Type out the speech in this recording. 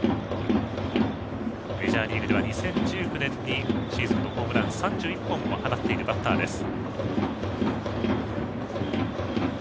メジャーリーグでは２０１９年にシーズンのホームラン３１本を放っているバッターです。